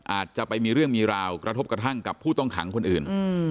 อาจจะไปมีเรื่องมีราวกระทบกระทั่งกับผู้ต้องขังคนอื่น